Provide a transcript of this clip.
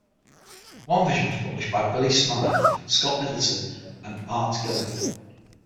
One version was published by Billy Smythe, Scott Middleton, and Art Gillham.